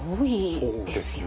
そうですね。